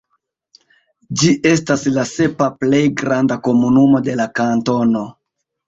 Ĝi estas la sepa plej granda komunumo de la kantono.